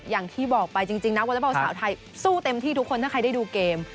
อย่างที่บอกไปจริงนักวอเล็กบอลสาวไทยสู้เต็มที่ทุกคนถ้าใครได้ดูเกม